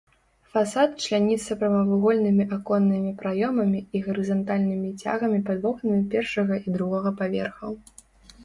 Фасад чляніцца прамавугольнымі аконнымі праёмамі і гарызантальнымі цягамі пад вокнамі першага і другога паверхаў.